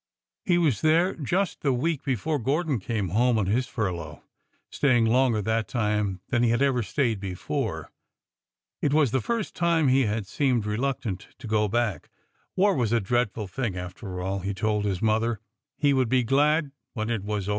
He was there just the week before Gordon came home on his furlough, staying longer that time than he had ever stayed before. It was the first time he had seemed reluctant to go back. War was a dreadful thing, after all, he told his mother,— he would be glad when it was over.